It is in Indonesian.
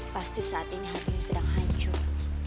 pasti saat ini hatinya sedang hancur